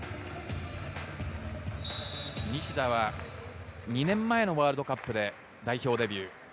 西田は２年前のワールドカップで代表デビュー。